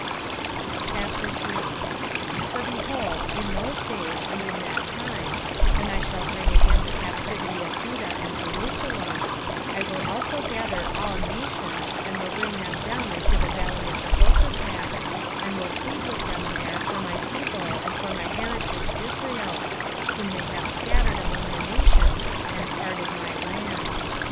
3:1 For, behold, in those days, and in that time, when I shall bring again the captivity of Judah and Jerusalem, 3:2 I will also gather all nations, and will bring them down into the valley of Jehoshaphat, and will plead with them there for my people and for my heritage Israel, whom they have scattered among the nations, and parted my land.